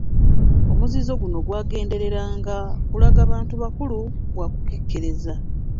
Omuzizo guno gwagendereranga kulaga bantu bukulu bwa kukekkereza.